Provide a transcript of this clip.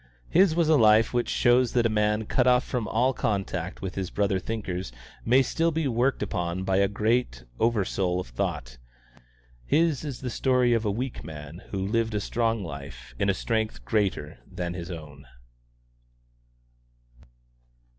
His was a life which shows that a man cut off from all contact with his brother thinkers may still be worked upon by the great over soul of thought: his is the story of a weak man who lived a strong life in a strength greater than his own.